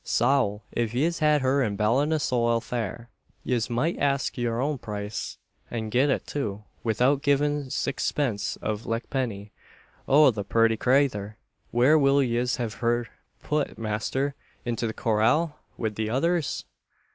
Sowl! if yez had her in Ballinasloe Fair, yez might ask your own price, and get it too, widout givin' sixpence av luckpenny. Oh! the purty crayther! Where will yez hiv her phut, masther? Into the corral, wid the others?"